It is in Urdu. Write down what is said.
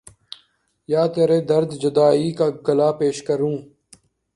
یا ترے درد جدائی کا گلا پیش کروں